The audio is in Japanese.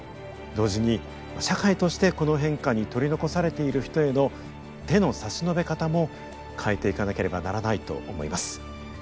同時に社会としてこの変化に取り残されている人への手の差し伸べ方も変えていかなければならないと思います。